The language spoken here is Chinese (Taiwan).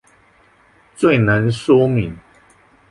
最能說明